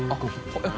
あっ！